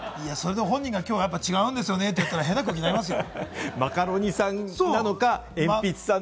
本人が違うんですよねって言ったら、変な空気になりますよ。